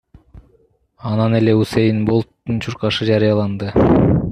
Анан эле Усэйн Болттун чуркашы жарыяланды.